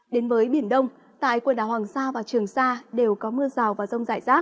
đến với biển đông tại quần đảo hoàng sa và trường sa đều có mưa rào và rông rải rác